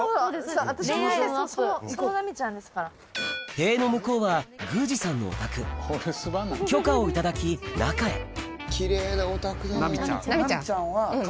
塀の向こうは宮司さんのお宅許可を頂き中へ野良なんや。